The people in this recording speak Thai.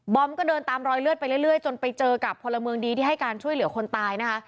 อมก็เดินตามรอยเลือดไปเรื่อยจนไปเจอกับพลเมืองดีที่ให้การช่วยเหลือคนตายนะคะ